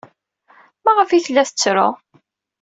Maɣef ay tella tettru?